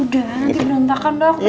udah nanti diantarkan dong aku